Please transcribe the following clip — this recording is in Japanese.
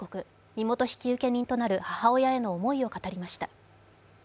身元引受人となる母親への思いを語りました。